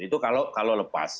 itu kalau lepas